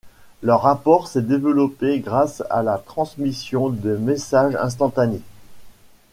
Leur rapport s'est développé grâce à la transmission de messages instantanés.